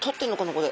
これ。